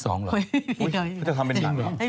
เฮ้ยเขาจะทำเป็นหน้า